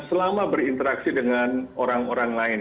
selama berinteraksi dengan orang orang lain